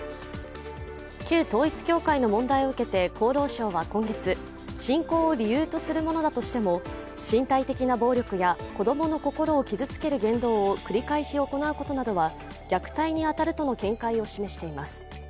旧統一教会の問題を受けて厚労省は今月、信仰を理由とするものだとしても身体的な暴力や子供の心を傷つける言動を繰り返し行うことなどは虐待に当たるとの見解を示しています。